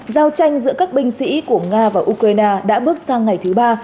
giao tranh giữa các binh sĩ của nga và ukraine đã bước sang ngày thứ ba